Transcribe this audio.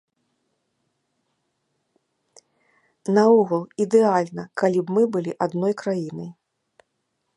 Наогул, ідэальна, калі б мы былі адной краінай.